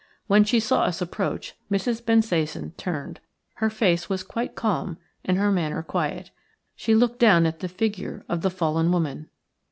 When she saw us approach Mrs. Bensasan turned. Her face was quite calm and her manner quiet. She looked down at the figure of the fallen woman.